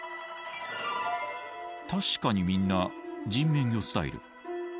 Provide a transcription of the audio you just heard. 確かにみんな人面魚スタイル。